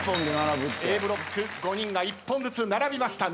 Ａブロック５人が１本ずつ並びました。